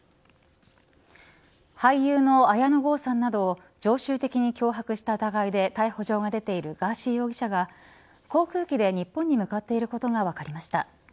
俳優の綾野剛さんなどを常習的に脅迫した疑いで逮捕状が出ているガーシー容疑者が航空機で日本に向かっていることが分かりました。